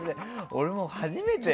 俺も初めて